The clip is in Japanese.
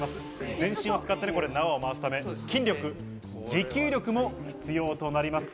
全身を使って縄を回すため、筋力・持久力も必要となります。